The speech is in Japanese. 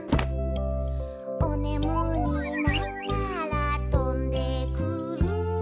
「おねむになったらとんでくる」